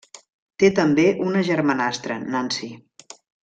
Té també una germanastra, Nancy.